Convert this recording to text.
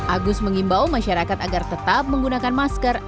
agus mengimbau masyarakat agar tetap menggunakan masker